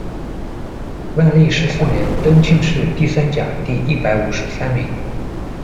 万历十四年，登进士第三甲第一百五十三名。